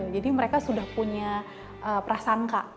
jadi mereka sudah punya prasangka